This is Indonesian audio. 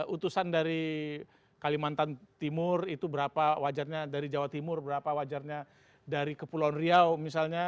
utusan dari kalimantan timur itu berapa wajarnya dari jawa timur berapa wajarnya dari kepulauan riau misalnya